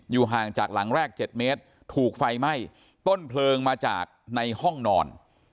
ห่างจากหลังแรก๗เมตรถูกไฟไหม้ต้นเพลิงมาจากในห้องนอน